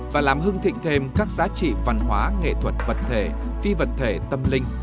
và làm hưng thịnh thêm các giá trị văn hóa nghệ thuật vật thể phi vật thể tâm linh